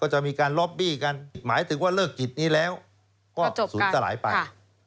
หมายถึงว่าเลิกกิจนี้แล้วก็สูญตลายไป